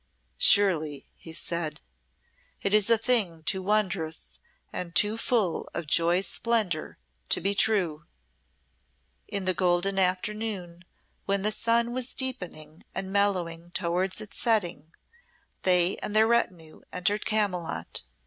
"Surely," he said, "it is a thing too wondrous and too full of joy's splendour to be true." In the golden afternoon, when the sun was deepening and mellowing towards its setting, they and their retinue entered Camylott.